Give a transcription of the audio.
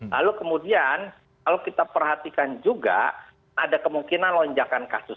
lalu kemudian kalau kita perhatikan juga ada kemungkinan lonjakan kasus